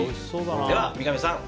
では、三上さん